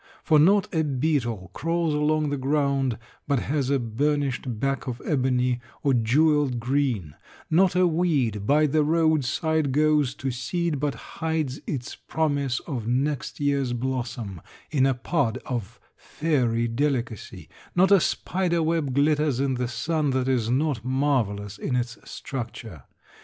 For not a beetle crawls along the ground but has a burnished back of ebony or jeweled green; not a weed by the roadside goes to seed but hides its promise of next year's blossom in a pod of fairy delicacy; not a spider web glitters in the sun that is not marvelous in its structure.